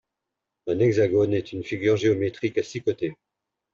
Un hexagone est une figure géométrique à six côtés.